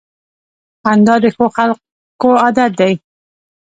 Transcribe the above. • خندا د ښو خلکو عادت دی.